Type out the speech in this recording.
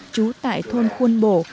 chú tại thôn khuôn bổ